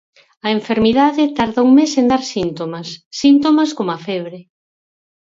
A enfermidade tarda un mes en dar síntomas, síntomas como a febre.